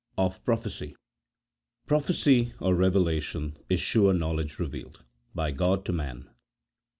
OP PROPHECY. PEOPHECY, or revelation, is sure knowledge revealed by God to man.